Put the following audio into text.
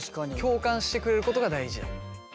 共感してくれることが大事。